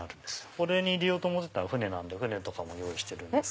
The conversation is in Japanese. これに入れようと思ってた船も用意してるんです。